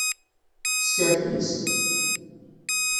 Teskerkis!